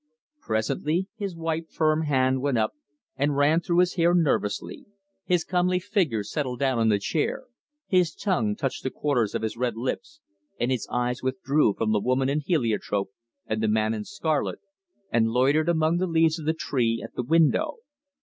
Presently his white firm hand went up and ran through his hair nervously, his comely figure settled down in the chair, his tongue touched the corners of his red lips, and his eyes withdrew from the woman in heliotrope and the man in scarlet, and loitered among the leaves of the tree at the window.